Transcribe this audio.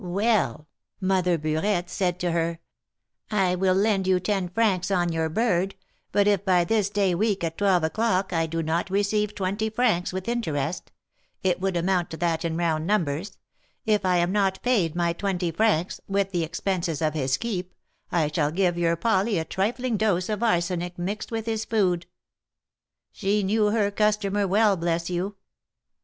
Well, Mother Burette said to her, 'I will lend you ten francs on your bird, but if by this day week at twelve o'clock I do not receive twenty francs with interest (it would amount to that in round numbers), if I am not paid my twenty francs, with the expenses of his keep, I shall give your Polly a trifling dose of arsenic mixed with his food.' She knew her customer well, bless you!